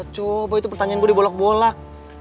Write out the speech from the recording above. coba itu pertanyaan gue dibolak bolak